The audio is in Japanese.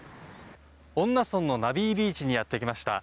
恩納村のナビービーチにやってきました。